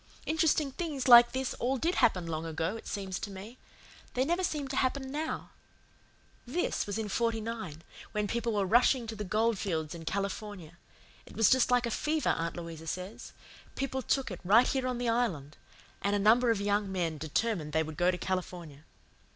Interesting things like this all did happen long ago, it seems to me. They never seem to happen now. This was in '49, when people were rushing to the gold fields in California. It was just like a fever, Aunt Louisa says. People took it, right here on the Island; and a number of young men determined they would go to California.